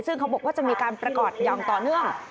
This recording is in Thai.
ซึ่งเขาบอกว่าจะมีการประกอบอย่างต่อเนื่อง